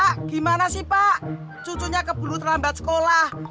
pak gimana sih pak cucunya keburu terlambat sekolah